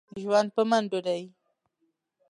ژوند په منډو دی.